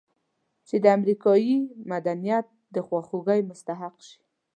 چې د امریکایي مدنیت د خواخوږۍ مستحق شي.